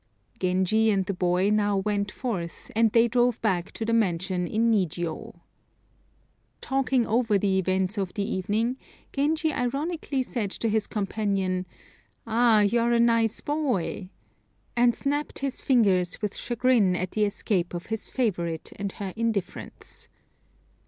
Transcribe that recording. Genji and the boy now went forth, and they drove back to the mansion in Nijiô. Talking over the events of the evening, Genji ironically said to his companion, "Ah! you are a nice boy!" and snapped his fingers with chagrin at the escape of his favorite and her indifference.